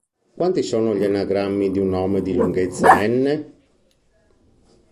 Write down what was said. Quanti sono gli anagrammi di un nome di lunghezza n?